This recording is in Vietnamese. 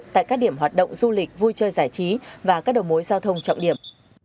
tại các điểm hoạt động du lịch vui chơi giải trí và các đầu mối giao thông trọng điểm